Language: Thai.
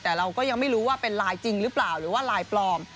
แต่เราก็ยังไม่รู้ว่าเป็นไลน์จริงหรือเปล่าหรือว่าไลน์ปลอม